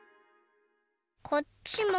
こっちも。